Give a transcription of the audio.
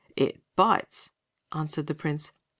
"It bites," answered the Prince.